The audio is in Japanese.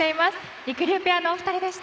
りくりゅうペアのお二人でした。